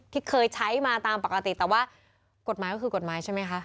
ที่เคยใช้มาตามปกติแต่ว่ากฎหมายก็คือกฎหมายใช่ไหมคะ